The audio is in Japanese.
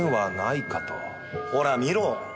ほら見ろ！